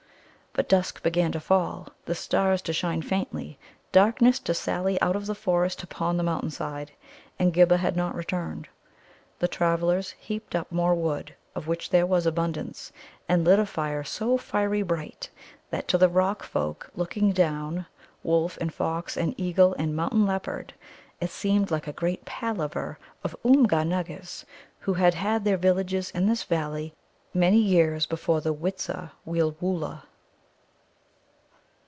But dusk began to fall, the stars to shine faintly, darkness to sally out of the forest upon the mountain side, and Ghibba had not returned. The travellers heaped on more wood, of which there was abundance, and lit a fire so fiery bright that to the Rock folk looking down wolf, and fox, and eagle, and mountain leopard it seemed like a great "palaver" of Oomgar nuggas, who had had their villages in this valley many years before the Witzaweelwūlla.